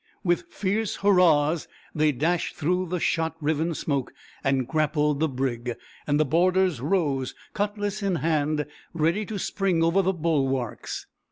With fierce hurrahs they dashed through the shot riven smoke and grappled the brig; and the boarders rose, cutlas in hand, ready to spring over the bulwarks.